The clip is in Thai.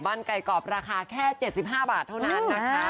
ไก่กรอบราคาแค่๗๕บาทเท่านั้นนะคะ